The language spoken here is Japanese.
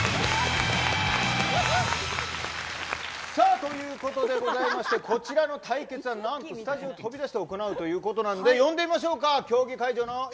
ということでございましてこちらの対決はスタジオ飛び出して行うということなので呼んでみましょうか。